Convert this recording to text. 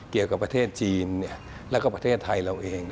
เกี่ยวกับประเทศจีนแล้วก็ประเทศไทยเราเอง